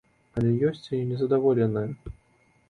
Але ёсць і незадаволеныя.